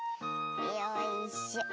よいしょ。